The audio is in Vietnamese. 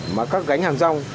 mà các gánh hàng rong